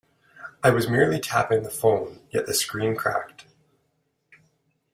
I was merely tapping the phone, yet the screen cracked.